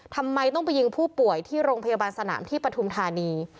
ทำไมต้องไปยิงผู้ป่วยที่โรงพยาบาลสนามที่ปฐุมธานี